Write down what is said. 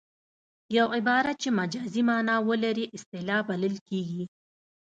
یو عبارت چې مجازي مانا ولري اصطلاح بلل کیږي